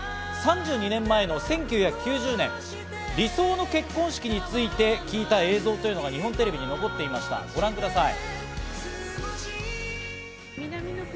３２年前の１９９０年、理想の結婚式について聞いた映像というのが日本テレビに残っていました、ご覧ください。